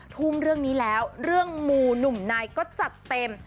ทุ่มเรื่องนี้แล้วเรื่องมูหนุ่มนายก็จัดเต็ม